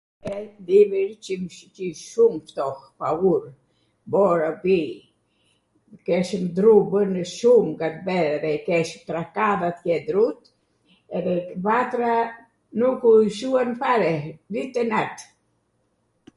Dimrin kish shum ftoht, paghur. Bora bij, keshwm dru bwnej shum atere, kesh trkadh atje drut, edhe vatra nuku shuan fare dit' e nat.